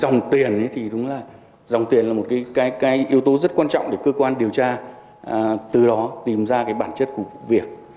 dòng tiền thì đúng là dòng tiền là một cái yếu tố rất quan trọng để cơ quan điều tra từ đó tìm ra cái bản chất của vụ việc